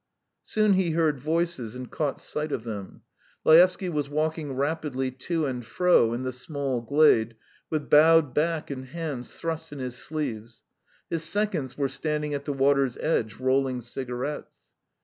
Soon he heard voices and caught sight of them. Laevsky was walking rapidly to and fro in the small glade with bowed back and hands thrust in his sleeves; his seconds were standing at the water's edge, rolling cigarettes.